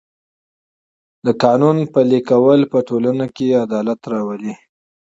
د قانون پلي کول په ټولنه کې عدالت راولي.